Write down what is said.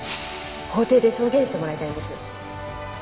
法廷で証言してもらいたいんです